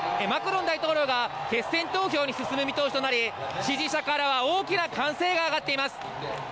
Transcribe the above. マクロン大統領が決選投票に進む見通しとなり、支持者からは大きな歓声があがっています。